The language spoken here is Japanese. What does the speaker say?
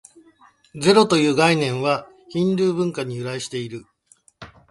ゼロという概念は、ヒンドゥー文化に由来している。